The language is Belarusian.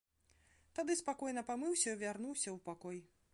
Тады спакойна памыўся і вярнуўся ў пакой.